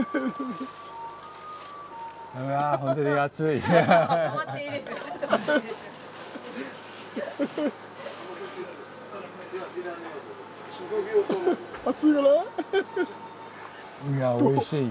いやおいしい。